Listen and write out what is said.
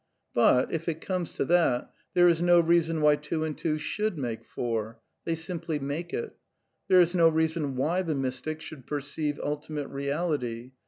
But, if it comes to that, there is no reason why two and two should make four. They simply make it. There is no reason why the mystic should perceive Ultimate Beal ity.